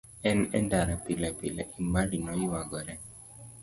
En e ndara pilepile, Emali noyuagore.